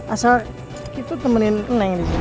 asal kita temenin neng di sini